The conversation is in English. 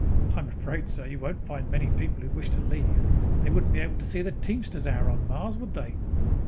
"I am afraid, sir, you won't find many people who wish to leave. They wouldn't be able to see the Teamsters Hour on Mars, would they?"